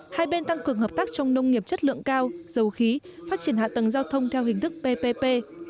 hai bên tăng cường hợp tác trong nông nghiệp chất lượng cao dầu khí phát triển hạ tầng giao thông theo hình thức ppp